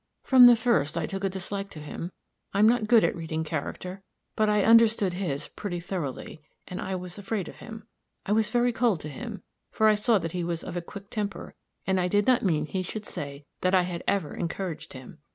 From the first I took a dislike to him. I'm not good at reading character, but I understood his pretty thoroughly, and I was afraid of him. I was very cold to him, for I saw that he was of a quick temper, and I did not mean he should say that I had ever encouraged him.